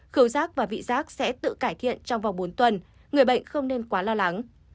khẩu rác và vị giác sẽ tự cải thiện trong vòng bốn tuần người bệnh không nên quá lo lắng